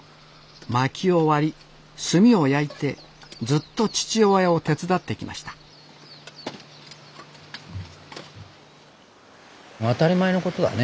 薪を割り炭を焼いてずっと父親を手伝ってきました当たり前のことだね。